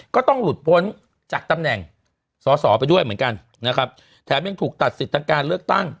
ก็ต้องหลุดพ้นจากตำแหน่งสอสอไปด้วยเหมือนกันนะครับแถมยังถูกตัดสิทธิ์ทางการเลือกตั้ง